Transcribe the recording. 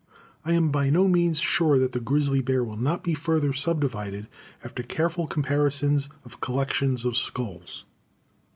I am by no means sure that the grizzly bear will not be further subdivided after careful comparisons of collections of skulls.